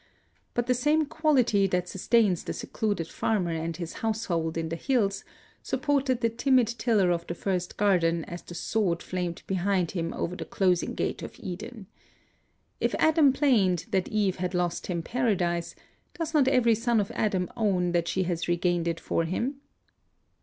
But the same quality that sustains the secluded farmer and his household in the hills supported the timid tiller of the first garden as the sword flamed behind him over the closing gate of Eden. If Adam plained that Eve had lost him Paradise, does not every son of Adam own that she has regained it for him?